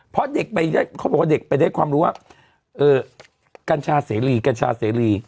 เพราะเด็กเขาบอกว่าเด็กไปได้ความรู้ว่ากัญชาเสรีกัญชาเสรี